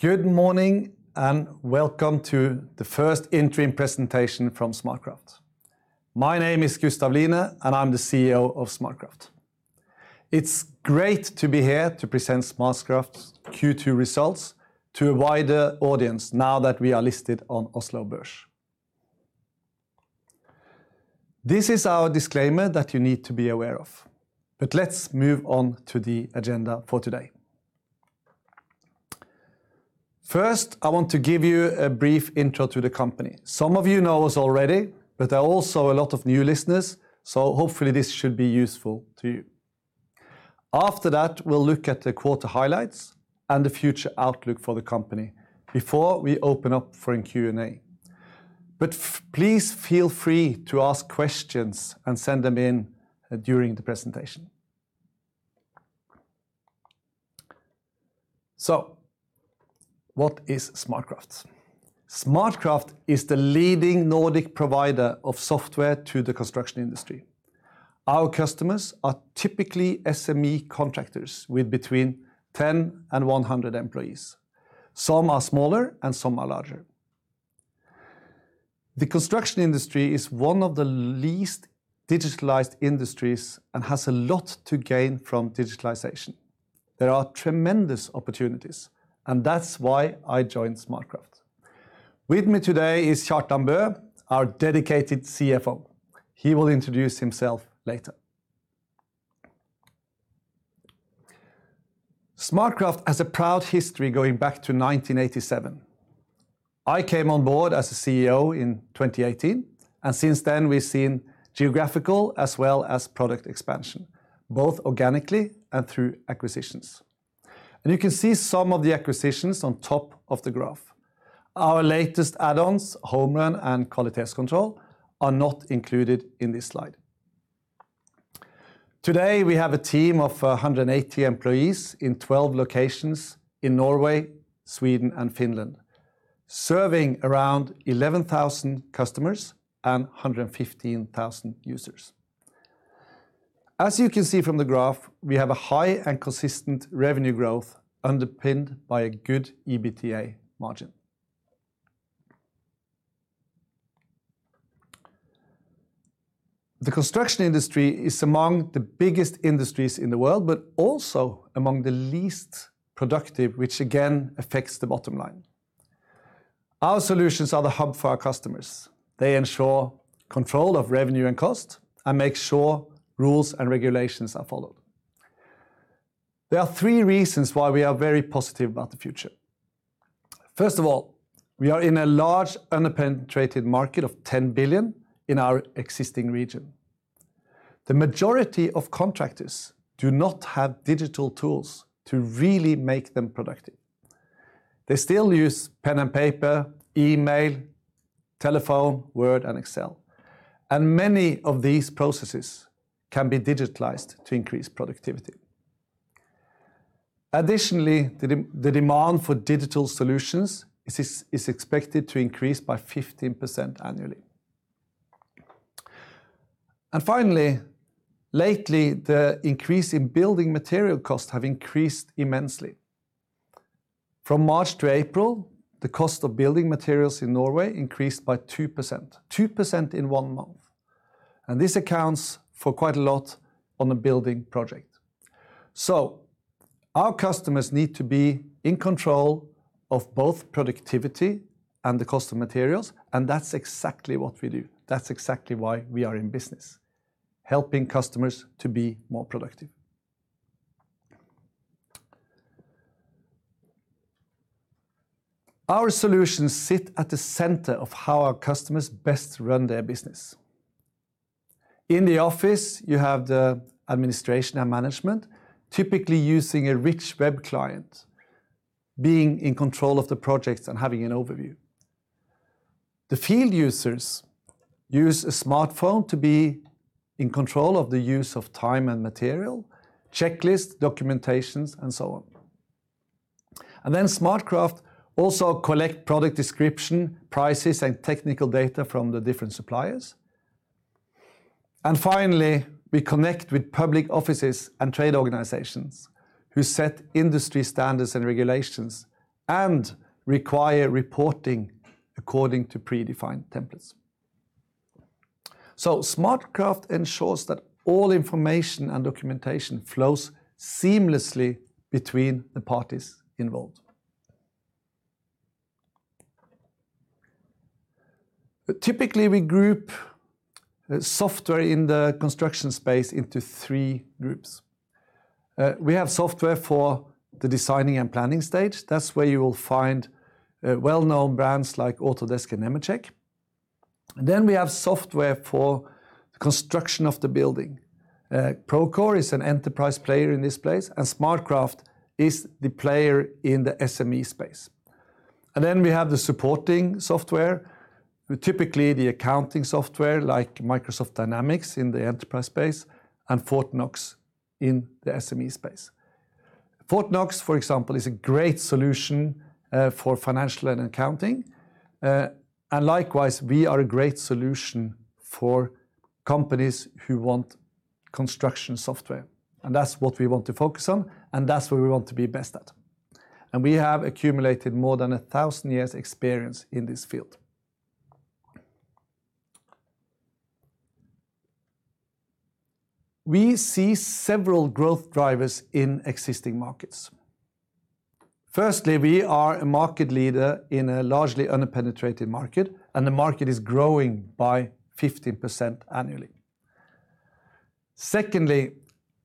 Good morning, and welcome to the first interim presentation from SmartCraft. My name is Gustav Line, and I'm the CEO of SmartCraft. It's great to be here to present SmartCraft's Q2 results to a wider audience now that we are listed on Oslo Børs. This is our disclaimer that you need to be aware of, but let's move on to the agenda for today. First, I want to give you a brief intro to the company. Some of you know us already, but there are also a lot of new listeners, so hopefully this should be useful to you. After that, we'll look at the quarter highlights and the future outlook for the company before we open up for a Q&A. Please feel free to ask questions and send them in during the presentation. What is SmartCraft? SmartCraft is the leading Nordic provider of software to the construction industry. Our customers are typically SME contractors with between 10 and 100 employees. Some are smaller and some are larger. The construction industry is one of the least digitalized industries and has a lot to gain from digitalization. There are tremendous opportunities, and that's why I joined SmartCraft. With me today is Kjartan Bø, our dedicated CFO. He will introduce himself later. SmartCraft has a proud history going back to 1987. I came on board as the CEO in 2018, and since then we've seen geographical as well as product expansion, both organically and through acquisitions. You can see some of the acquisitions on top of the graph. Our latest add-ons, HomeRun and Kvalitetskontroll, are not included in this slide. Today, we have a team of 180 employees in 12 locations in Norway, Sweden, and Finland, serving around 11,000 customers and 115,000 users. As you can see from the graph, we have a high and consistent revenue growth underpinned by a good EBITDA margin. The construction industry is among the biggest industries in the world, but also among the least productive, which again affects the bottom line. Our solutions are the hub for our customers. They ensure control of revenue and cost and make sure rules and regulations are followed. There are three reasons why we are very positive about the future. First of all, we are in a large underpenetrated market of 10 billion in our existing region. The majority of contractors do not have digital tools to really make them productive. They still use pen and paper, email, telephone, Word, and Excel. Many of these processes can be digitalized to increase productivity. Additionally, the demand for digital solutions is expected to increase by 15% annually. Finally, lately, the increase in building material costs have increased immensely. From March to April, the cost of building materials in Norway increased by 2%. 2% in one month. This accounts for quite a lot on a building project. Our customers need to be in control of both productivity and the cost of materials, and that's exactly what we do. That's exactly why we are in business, helping customers to be more productive. Our solutions sit at the center of how our customers best run their business. In the office, you have the administration and management typically using a rich web client, being in control of the projects and having an overview. The field users use a smartphone to be in control of the use of time and material, checklist, documentations, and so on. SmartCraft also collect product description, prices, and technical data from the different suppliers. We connect with public offices and trade organizations who set industry standards and regulations and require reporting according to predefined templates. SmartCraft ensures that all information and documentation flows seamlessly between the parties involved. Typically, we group software in the construction space into three groups. We have software for the designing and planning stage. That's where you will find well-known brands like Autodesk and Nemetschek. We have software for the construction of the building. Procore is an enterprise player in this place. SmartCraft is the player in the SME space. We have the supporting software, typically the accounting software like Microsoft Dynamics in the enterprise space and Fortnox in the SME space. Fortnox, for example, is a great solution for financial and accounting. Likewise, we are a great solution for companies who want construction software. That's what we want to focus on. That's where we want to be best at. We have accumulated more than 1,000 years' experience in this field. We see several growth drivers in existing markets. Firstly, we are a market leader in a largely under-penetrated market. The market is growing by 15% annually. Secondly,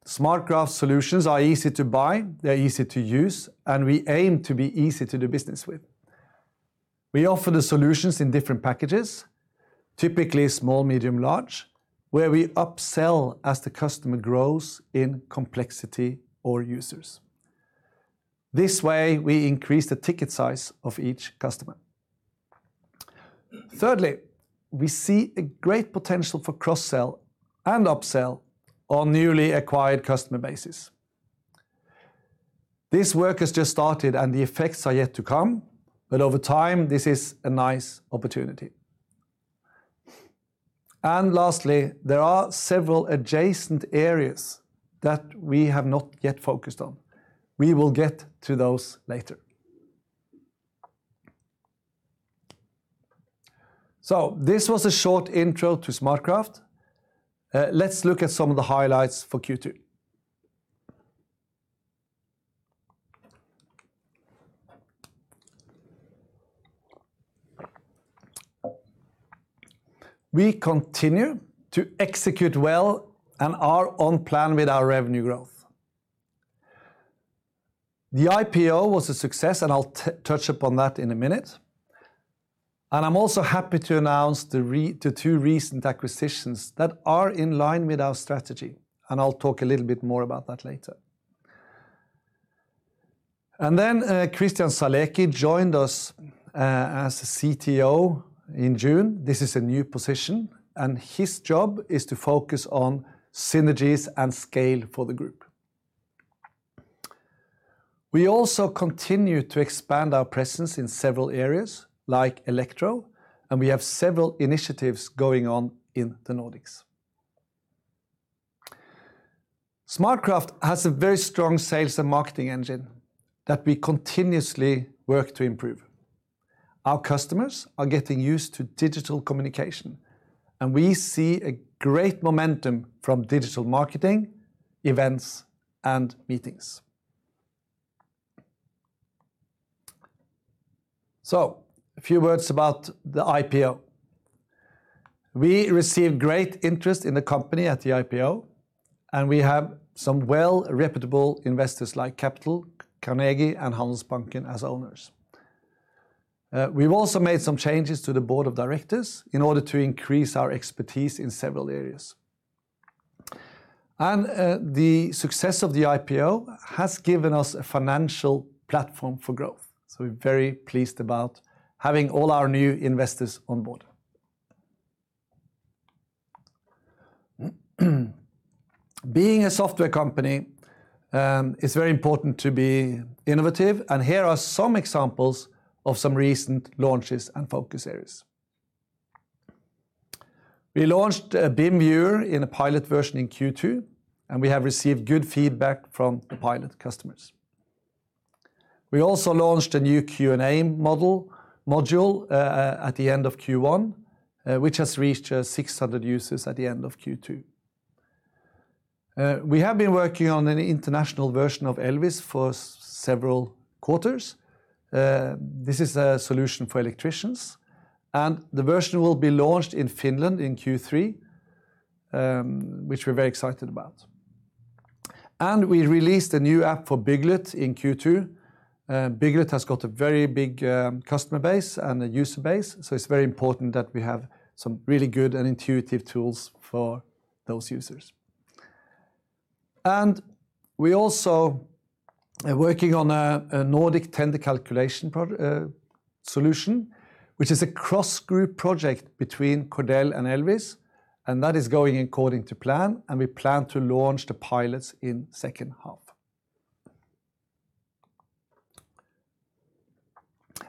SmartCraft solutions are easy to buy, they're easy to use. We aim to be easy to do business with. We offer the solutions in different packages, typically small, medium, large, where we upsell as the customer grows in complexity or users. This way, we increase the ticket size of each customer. Thirdly, we see a great potential for cross-sell and upsell on newly acquired customer bases. This work has just started and the effects are yet to come, but over time this is a nice opportunity. Lastly, there are several adjacent areas that we have not yet focused on. We will get to those later. This was a short intro to SmartCraft. Let's look at some of the highlights for Q2. We continue to execute well and are on plan with our revenue growth. The IPO was a success, and I'll touch upon that in a minute. I'm also happy to announce the two recent acquisitions that are in line with our strategy, and I'll talk a little bit more about that later. Christian Saleki joined us as a CTO in June. This is a new position, and his job is to focus on synergies and scale for the group. We also continue to expand our presence in several areas, like electro, and we have several initiatives going on in the Nordics. SmartCraft has a very strong sales and marketing engine that we continuously work to improve. Our customers are getting used to digital communication, and we see a great momentum from digital marketing, events, and meetings. A few words about the IPO. We received great interest in the company at the IPO, and we have some well reputable investors like Capital, Carnegie, and Handelsbanken as owners. We've also made some changes to the board of directors in order to increase our expertise in several areas. The success of the IPO has given us a financial platform for growth, so we're very pleased about having all our new investors on board. Being a software company, it's very important to be innovative, and here are some examples of some recent launches and focus areas. We launched a BIM viewer in a pilot version in Q2, and we have received good feedback from the pilot customers. We also launched a new Q&A module at the end of Q1, which has reached 600 users at the end of Q2. We have been working on an international version of EL-VIS for several quarters. This is a solution for electricians, and the version will be launched in Finland in Q3, which we're very excited about. We released a new app for Bygglet in Q2. Bygglet has got a very big customer base and a user base, so it's very important that we have some really good and intuitive tools for those users. We're also working on a Nordic tender calculation solution, which is a cross-group project between Cordel and EL-VIS, and that is going according to plan, and we plan to launch the pilots in second half.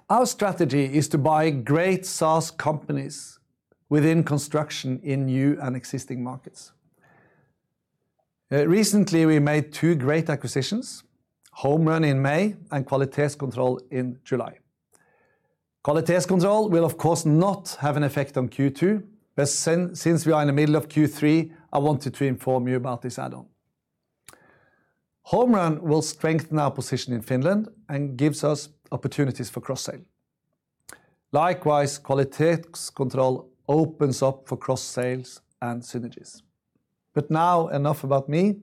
Our strategy is to buy great SaaS companies within construction in new and existing markets. Recently, we made two great acquisitions, HomeRun in May and Kvalitetskontroll in July. Kvalitetskontroll will, of course, not have an effect on Q2, but since we are in the middle of Q3, I wanted to inform you about this add-on. HomeRun will strengthen our position in Finland and gives us opportunities for cross-sale. Likewise, Kvalitetskontroll opens up for cross-sales and synergies. Now enough about me.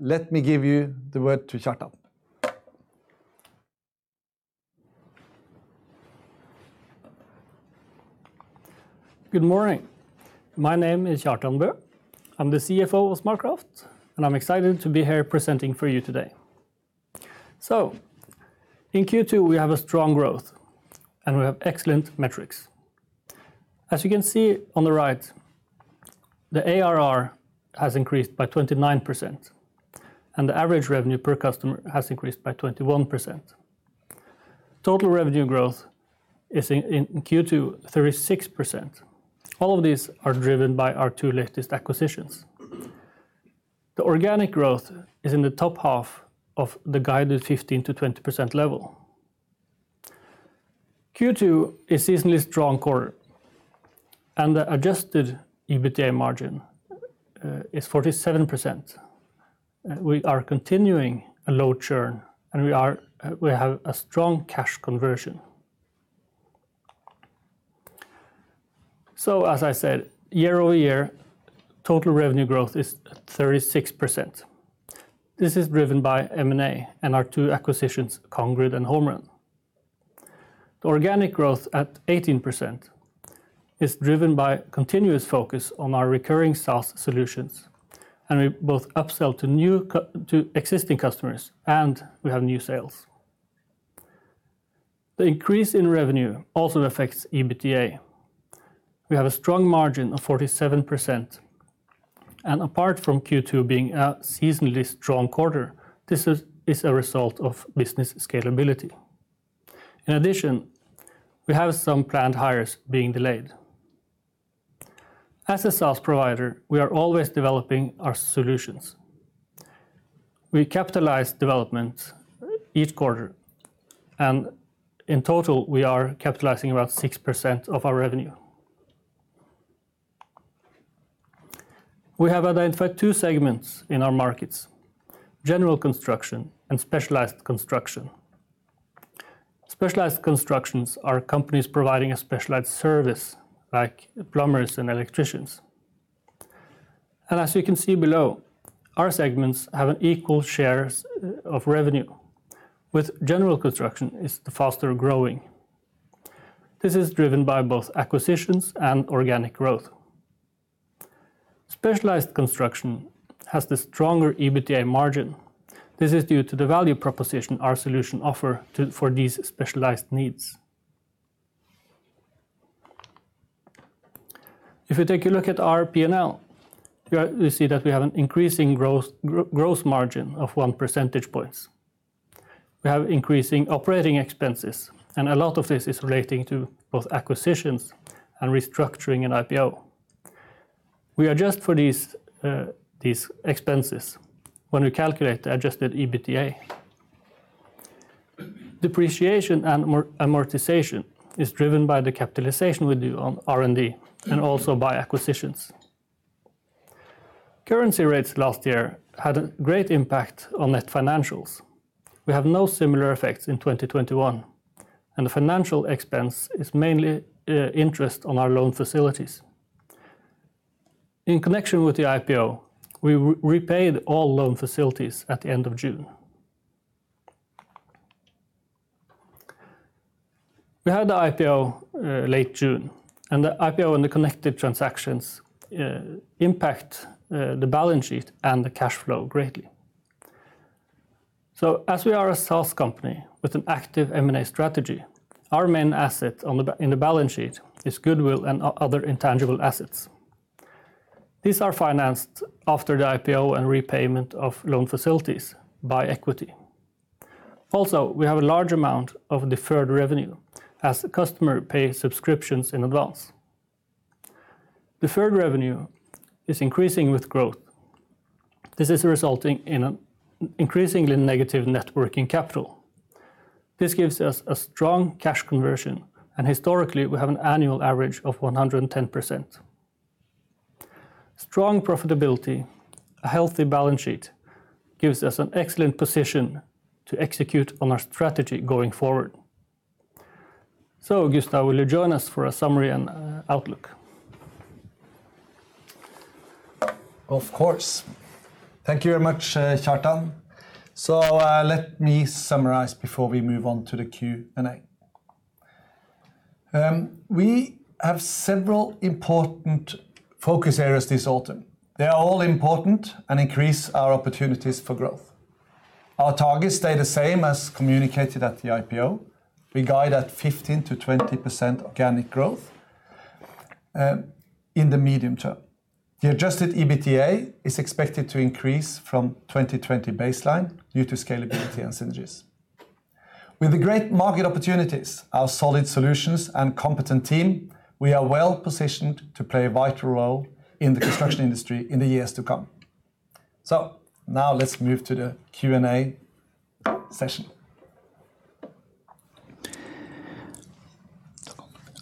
Let me give you the word to Kjartan. Good morning. My name is Kjartan Bø. I'm the CFO of SmartCraft, and I'm excited to be here presenting for you today. In Q2, we have a strong growth, and we have excellent metrics. As you can see on the right, the ARR has increased by 29%, and the average revenue per customer has increased by 21%. Total revenue growth is in Q2 36%. All of these are driven by our two latest acquisitions. The organic growth is in the top half of the guided 15%-20% level. Q2 is seasonally strong quarter, and the adjusted EBITDA margin is 47%. We are continuing a low churn, and we have a strong cash conversion. As I said, year-over-year, total revenue growth is 36%. This is driven by M&A and our two acquisitions, Congrid and HomeRun. The organic growth at 18% is driven by continuous focus on our recurring SaaS solutions. We both upsell to existing customers and we have new sales. The increase in revenue also affects EBITDA. We have a strong margin of 47%. Apart from Q2 being a seasonally strong quarter, this is a result of business scalability. In addition, we have some planned hires being delayed. As a SaaS provider, we are always developing our solutions. We capitalize development each quarter. In total, we are capitalizing about 6% of our revenue. We have identified two segments in our markets, general construction and specialized construction. Specialized constructions are companies providing a specialized service, like plumbers and electricians. As you can see below, our segments have an equal share of revenue, with general construction is the faster-growing. This is driven by both acquisitions and organic growth. Specialized construction has the stronger EBITDA margin. This is due to the value proposition our solution offer for these specialized needs. If we take a look at our P&L, you see that we have an increasing gross margin of one percentage points. Now increasing operating expenses and a lot of this is relating to both acquisitions and restructuring and IPO. We adjust for these expenses when we calculate the adjusted EBITDA. Depreciation and amortization is driven by the capitalization we do on R&D and also by acquisitions. Currency rates last year had a great impact on net financials. We have no similar effects in 2021, the financial expense is mainly interest on our loan facilities. In connection with the IPO, we repaid all loan facilities at the end of June. We had the IPO late June, and the IPO and the connected transactions impact the balance sheet and the cash flow greatly. As we are a SaaS company with an active M&A strategy, our main asset in the balance sheet is goodwill and other intangible assets. These are financed after the IPO and repayment of loan facilities by equity. Also, we have a large amount of deferred revenue, as the customer pay subscriptions in advance. Deferred revenue is increasing with growth. This is resulting in an increasingly negative net working capital. This gives us a strong cash conversion, and historically, we have an annual average of 110%. Strong profitability, a healthy balance sheet gives us an excellent position to execute on our strategy going forward. Gustav, will you join us for a summary and outlook? Of course. Thank you very much, Kjartan. Let me summarize before we move on to the Q&A. We have several important focus areas this autumn. They are all important and increase our opportunities for growth. Our targets stay the same as communicated at the IPO. We guide at 15%-20% organic growth in the medium term. The adjusted EBITDA is expected to increase from 2020 baseline due to scalability and synergies. With the great market opportunities, our solid solutions, and competent team, we are well-positioned to play a vital role in the construction industry in the years to come. Now let's move to the Q&A session.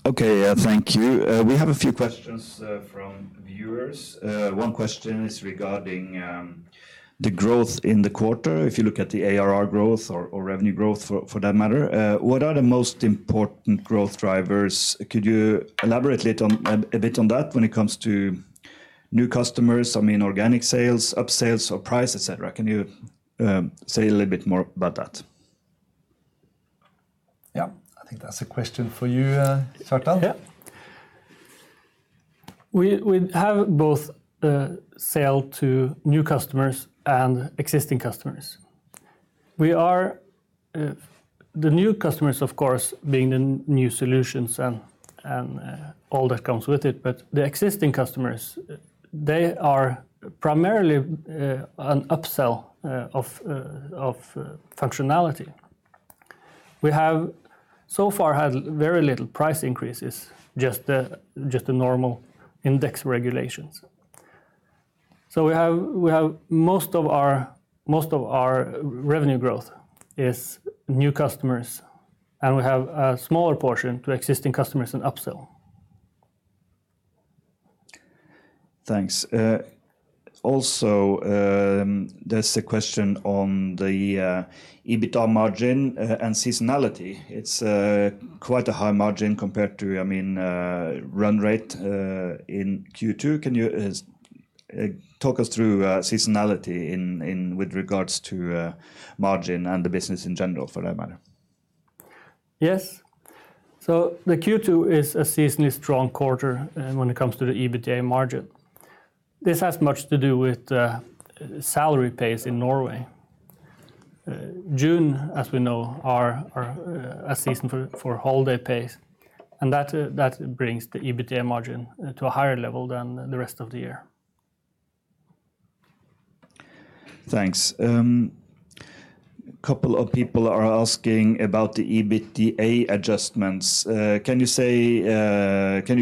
Okay, thank you. We have a few questions from viewers. One question is regarding the growth in the quarter. If you look at the ARR growth or revenue growth for that matter, what are the most important growth drivers? Could you elaborate a bit on that when it comes to new customers, organic sales, upsales or price, et cetera? Can you say a little bit more about that? Yeah. I think that's a question for you, Kjartan. Yeah. We have both sale to new customers and existing customers. The new customers, of course, being the new solutions and all that comes with it, but the existing customers, they are primarily an upsell of functionality. We have so far had very little price increases, just the normal index regulations. Most of our revenue growth is new customers, and we have a smaller portion to existing customers and upsell. Thanks. There's a question on the EBITDA margin and seasonality. It's quite a high margin compared to run rate in Q2. Can you talk us through seasonality with regards to margin and the business in general, for that matter? Yes. The Q2 is a seasonally strong quarter when it comes to the EBITDA margin. This has much to do with salary pays in Norway. June, as we know, are a season for holiday pays. That brings the EBITDA margin to a higher level than the rest of the year. Thanks. Couple of people are asking about the EBITDA adjustments. Can you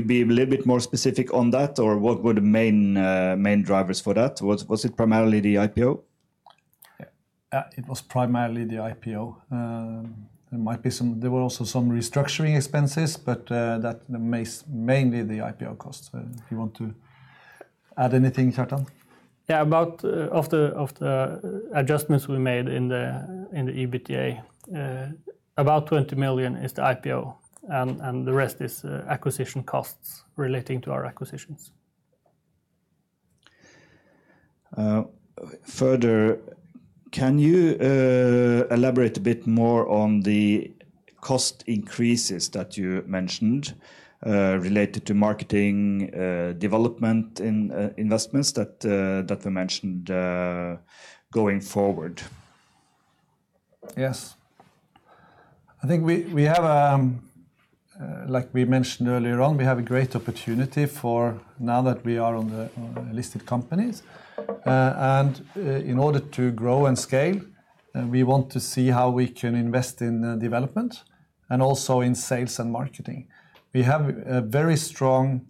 be a little bit more specific on that, or what were the main drivers for that? Was it primarily the IPO? It was primarily the IPO. There were also some restructuring expenses, but that's mainly the IPO cost. If you want to add anything, Kjartan? Yeah. Of the adjustments we made in the EBITDA, about 20 million is the IPO, and the rest is acquisition costs relating to our acquisitions. Further, can you elaborate a bit more on the cost increases that you mentioned related to marketing development investments that were mentioned going forward? Yes. I think, like we mentioned earlier on, we have a great opportunity for now that we are on the listed companies. In order to grow and scale, we want to see how we can invest in development and also in sales and marketing. We have a very strong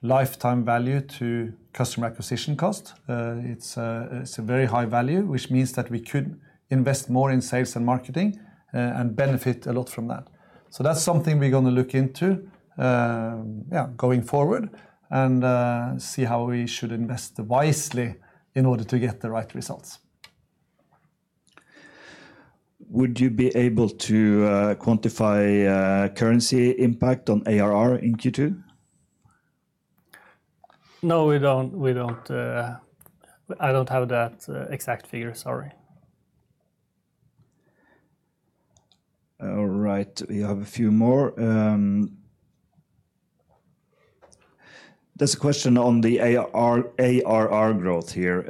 lifetime value-to-customer acquisition cost. It's a very high value, which means that we could invest more in sales and marketing and benefit a lot from that. That's something we're going to look into going forward and see how we should invest wisely in order to get the right results. Would you be able to quantify currency impact on ARR in Q2? No, we don't. I don't have that exact figure, sorry. All right. We have a few more. There's a question on the ARR growth here.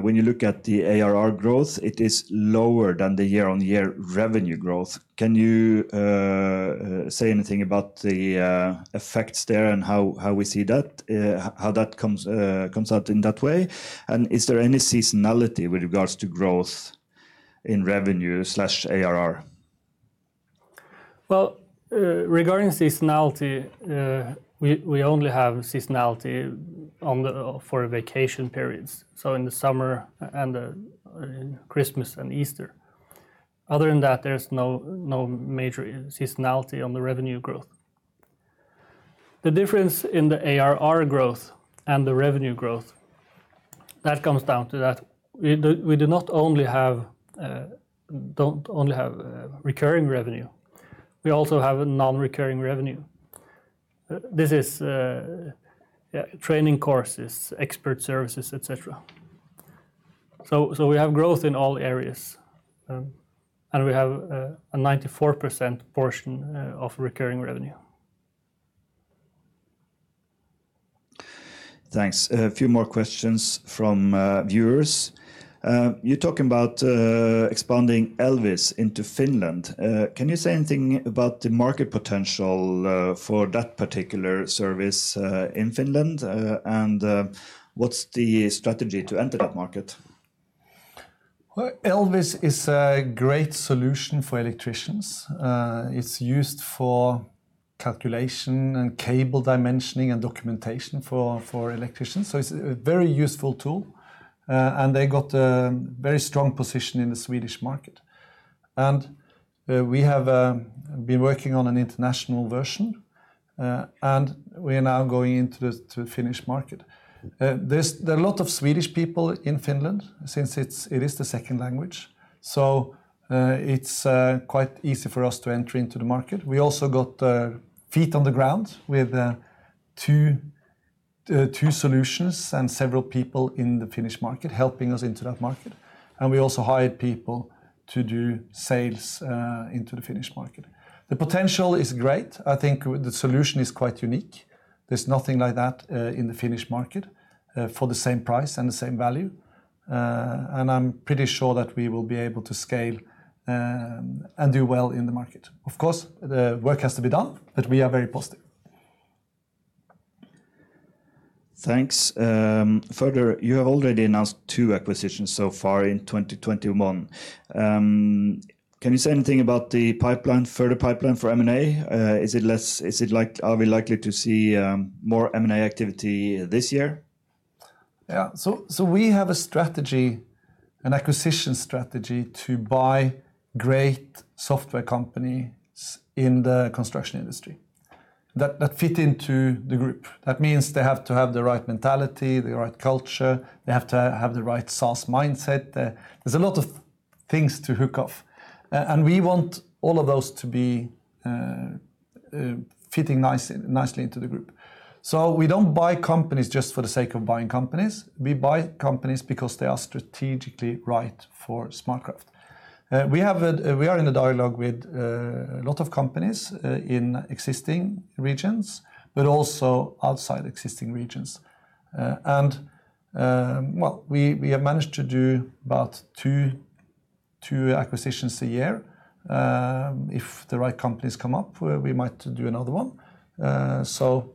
When you look at the ARR growth, it is lower than the year-on-year revenue growth. Can you say anything about the effects there and how we see that, how that comes out in that way? Is there any seasonality with regards to growth in revenue/ARR? Well, regarding seasonality, we only have seasonality for vacation periods, so in the summer and Christmas and Easter. Other than that, there's no major seasonality on the revenue growth. The difference in the ARR growth and the revenue growth, that comes down to that we don't only have recurring revenue, we also have a non-recurring revenue. This is training courses, expert services, et cetera. We have growth in all areas, and we have a 94% portion of recurring revenue. Thanks. A few more questions from viewers. You're talking about expanding EL-VIS into Finland. Can you say anything about the market potential for that particular service in Finland? What's the strategy to enter that market? EL-VIS is a great solution for electricians. It's used for calculation and cable dimensioning and documentation for electricians, so it's a very useful tool, and they got a very strong position in the Swedish market. We have been working on an international version, and we are now going into the Finnish market. There are a lot of Swedish people in Finland since it is the second language, so it's quite easy for us to enter into the market. We also got feet on the ground with two solutions and several people in the Finnish market helping us into that market. We also hired people to do sales into the Finnish market. The potential is great. I think the solution is quite unique. There's nothing like that in the Finnish market for the same price and the same value. I'm pretty sure that we will be able to scale and do well in the market. Of course, the work has to be done, but we are very positive. Thanks. You have already announced two acquisitions so far in 2021. Can you say anything about the further pipeline for M&A? Are we likely to see more M&A activity this year? Yeah. We have an acquisition strategy to buy great software companies in the construction industry that fit into the group. That means they have to have the right mentality, the right culture, they have to have the right SaaS mindset. There's a lot of things to hook off, and we want all of those to be fitting nicely into the group. We don't buy companies just for the sake of buying companies. We buy companies because they are strategically right for SmartCraft. We are in a dialogue with a lot of companies in existing regions, but also outside existing regions. We have managed to do about two acquisitions a year. If the right companies come up, we might do another one.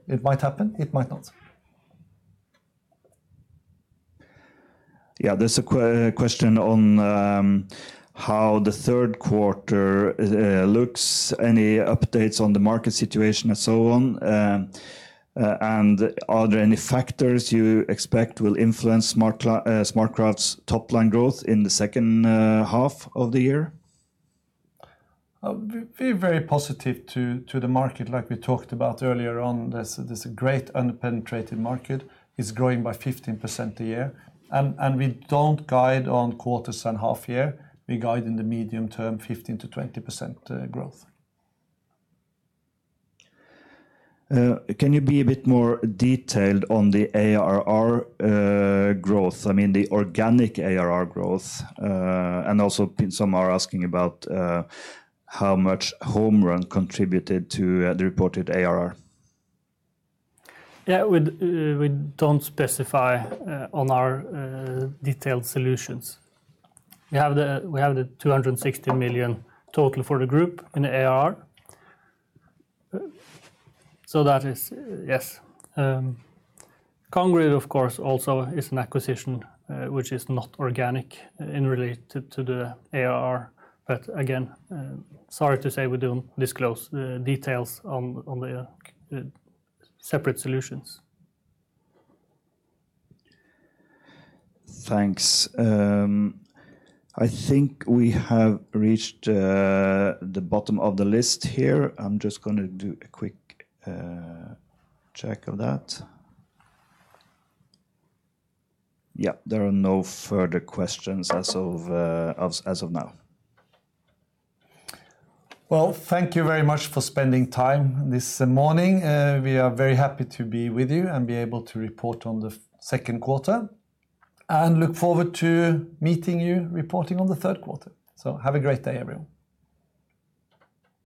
It might happen, it might not. Yeah. There's a question on how the third quarter looks, any updates on the market situation and so on. Are there any factors you expect will influence SmartCraft's top line growth in the second half of the year? We're very positive to the market, like we talked about earlier on. There's a great under-penetrated market. It's growing by 15% a year. We don't guide on quarters and half-year. We guide in the medium term, 15%-20% growth. Can you be a bit more detailed on the ARR growth? I mean the organic ARR growth. Also, some are asking about how much HomeRun contributed to the reported ARR. Yeah. We don't specify on our detailed solutions. We have the 260 million total for the group in ARR. That is, yes. Congrid, of course, also is an acquisition which is not organic in related to the ARR. Again, sorry to say, we don't disclose the details on the separate solutions. Thanks. I think we have reached the bottom of the list here. I'm just going to do a quick check of that. Yeah, there are no further questions as of now. Well, thank you very much for spending time this morning. We are very happy to be with you and be able to report on the second quarter, and look forward to meeting you, reporting on the third quarter. Have a great day, everyone.